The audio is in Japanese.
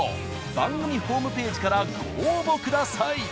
番組ホ―ムペ―ジからご応募ください。